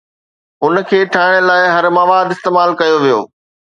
ان کي ٺاهڻ لاء هر مواد استعمال ڪيو ويو